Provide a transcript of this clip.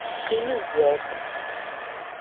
Qqim zdat.